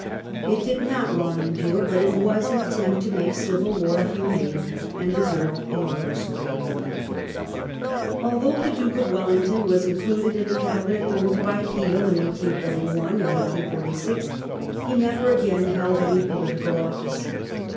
It did not long endure^ but it was an attempt to make dyil war humane, and deserved a longer sway. Although the Duke of Wellington was included in the Cabinet formed by Peel in 1841 and 1846, he never again held any political office.